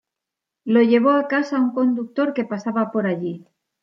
Lo llevó a casa un conductor que pasaba por allí.